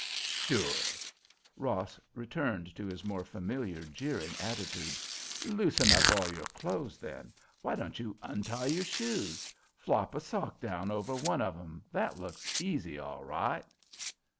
"Sure!" Ross returned to his more familiar jeering attitude. "Loosen up all your clothes, then. Why don't you untie your shoes? Flop a sock down over one of 'em—that looks ''easy' all right."